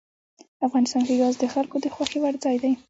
افغانستان کې ګاز د خلکو د خوښې وړ ځای دی.